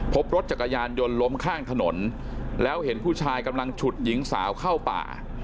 พบรถจักรยานยนต์ล้มข้างถนนแล้วเห็นผู้ชายกำลังฉุดหญิงสาวเข้าป่า